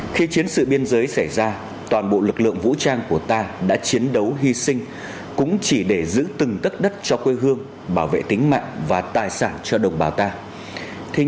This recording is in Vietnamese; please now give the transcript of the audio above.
khi chiến sự xảy ra toàn bộ gia đình ông đào văn nó được hướng dẫn đi sơ tán an toàn